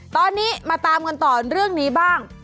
ตอนนี้มาตามกันต่อเรื่องนี้บ้าง